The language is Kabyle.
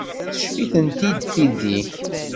Teccef-itent-id tidi.